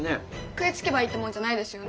食いつけばいいってもんじゃないですよね？